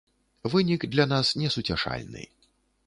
Вынік для нас несуцяшальны.